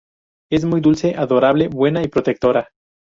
Es muy dulce, adorable, buena y protectora.